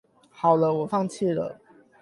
好了我放棄了